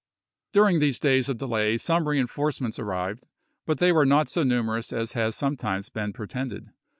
During these days of delay some reenforcements arrived, but they were not so numerous as has sometimes been pretended.